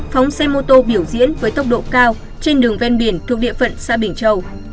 phóng xe mô tô biểu diễn với tốc độ cao trên đường ven biển thuộc địa phận xã bình châu